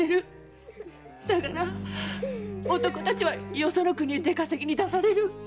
だから男たちはよその国に出稼ぎに出される。